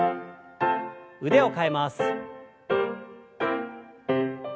腕を替えます。